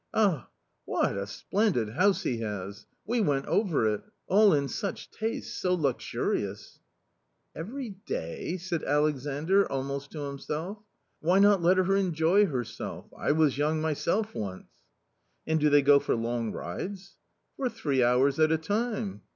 Ah ! what a splendid house he has ! we went over it ; all in such taste, so luxurious !"" Every day !" said Alexandr almost to himself. "Why not let her enjoy herself! I was young myself once." " And do they go for long rides ?"" For three hours at a time.